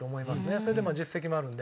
それで実績もあるんで。